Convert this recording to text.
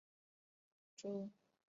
朱文塔斯拥有少女般的青春和活力。